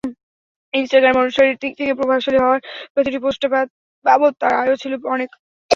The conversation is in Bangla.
ইনস্টাগ্রামে অনুসারীর দিক থেকে প্রভাবশালী হওয়ায় প্রতিটি পোস্টবাবদ তাঁর আয়ও ছিল অনেক।